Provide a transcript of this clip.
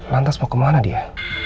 lantas mau kemana dia